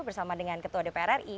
bersama dengan ketua dpr ri